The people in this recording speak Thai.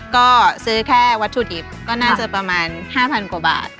ก็ซื้อแค่วัตถุดิบก็น่าจะประมาณ๕๐๐กว่าบาท